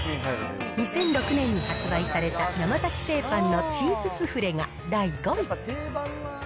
２００６年に発売された山崎製パンのチーズスフレが第５位。